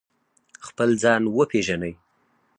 خپل ځان وپیژنئ